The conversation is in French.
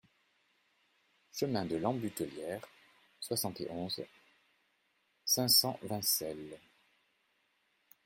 Chemin de l'Ambutelière, soixante et onze, cinq cents Vincelles